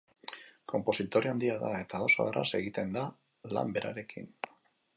Konpositore handia da, eta oso erraz egiten da lan berarekin.